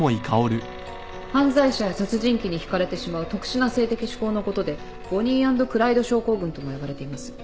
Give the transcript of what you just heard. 犯罪者や殺人鬼に引かれてしまう特殊な性的嗜好のことでボニー＆クライド症候群とも呼ばれています。